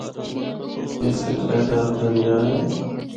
اس دے ترے طرف دریا اے۔